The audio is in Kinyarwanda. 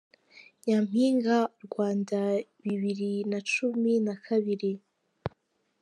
Nyaminga Rwanda Bibiri Nacumi Nakabiri